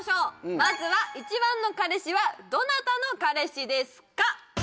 まずは１番の彼氏はどなたの彼氏ですか？